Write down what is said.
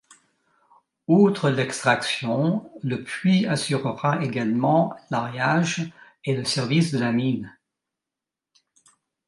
Outre l'extraction, le puits assurera également l'aérage et le service de la mine.